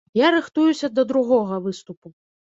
Я рыхтуюся да другога выступу.